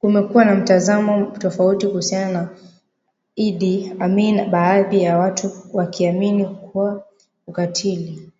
Kumekuwa na mitazamo tofauti kuhusiana na Idi Amin baadhi ya watu wakiamini kuwa ukatili